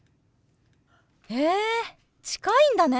へえ近いんだね。